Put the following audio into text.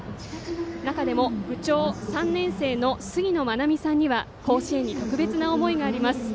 中でも部長３年生のすぎのまなみさんには甲子園に特別な思いがあります。